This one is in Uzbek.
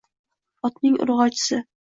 Otning urg‘ochisi.